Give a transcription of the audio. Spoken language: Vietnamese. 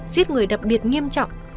giết người đặc biệt nghiêm trọng